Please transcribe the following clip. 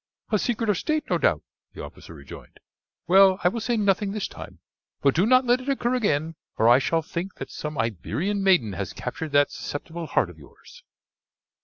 "A secret of state, no doubt," the officer rejoined. "Well, I will say nothing this time; but do not let it occur again, or I shall think that some Iberian maiden has captured that susceptible heart of yours."